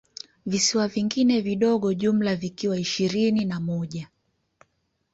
Visiwa vingine vidogo jumla vikiwa ishirini na moja